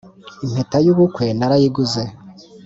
impeta y` ubukwe narayiguze